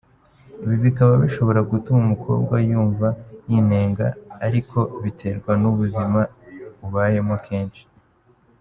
Ibi bikaba bishobora gutuma umukobwa yumva yinenga ariko biterwa n’ubuzima ubayemo akenshi.